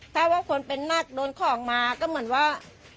ถ้าว่าคนเป็นนักโดนของมาก็เหมือนว่า